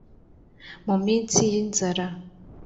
mu minsi y’inzara